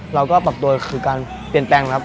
เราก็ปรับตัวคือการเปลี่ยนแปลงนะครับ